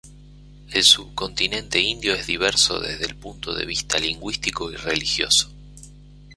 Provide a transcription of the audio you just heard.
El subcontinente indio es diverso desde el punto de vista lingüístico y religioso.